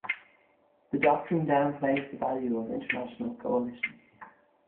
The doctrine downplays the value of international coalitions.